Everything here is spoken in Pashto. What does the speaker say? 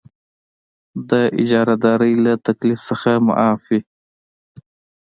د اجاره دارۍ له تکلیف څخه معاف وي.